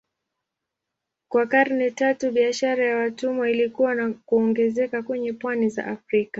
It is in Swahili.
Kwa karne tatu biashara ya watumwa ilikua na kuongezeka kwenye pwani za Afrika.